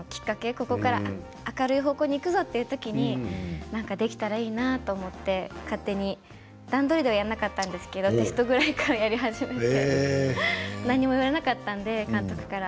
ここから明るい方向にいくぞという時にできたらいいなと思って勝手に段取りではやらなかったんですけれどテストからやり始めて何も言われなかったので監督から。